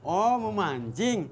oh mau manjing